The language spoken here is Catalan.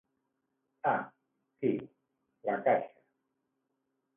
Ah sí, la caixa...